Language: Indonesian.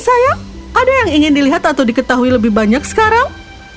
ada ada yang ingin melihat atau ditahui lebih banyak sekarang